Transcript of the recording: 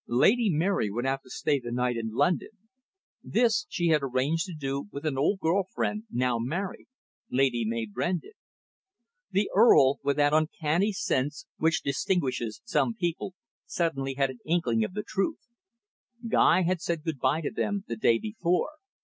Lady Mary would have to stay the night in London. This she had arranged to do with an old girl friend, now married, Lady May Brendon. The Earl, with that uncanny sense which distinguishes some people, suddenly had an inkling of the truth. Guy had said good bye to them the day before.